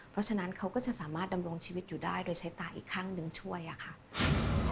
เพราะฉะนั้นเขาก็จะสามารถดำรงชีวิตอยู่ได้โดยใช้ตาอีกข้างหนึ่งช่วยอะค่ะ